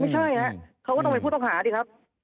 ไม่ใช่ฮะเขาก็ต้องเป็นผู้ต้องหาดิครับ